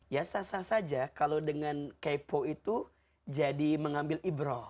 ya sah sah saja kalau dengan kepo itu jadi mengambil ibro